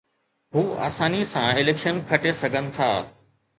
هو آساني سان اليڪشن کٽي سگهن ٿا